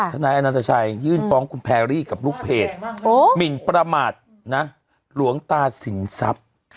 นายอนันตชัยยื่นฟ้องคุณแพรรี่กับลูกเพจหมินประมาทนะหลวงตาสินทรัพย์